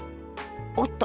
おっと！